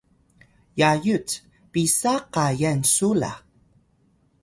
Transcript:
Yayut: pisa kayan su la?